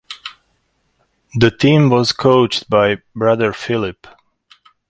The team was coached by Brother Philip.